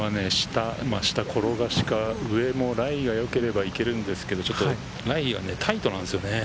転がしか、上もライがよければ行けるんですけど、ライがタイトなんですよね。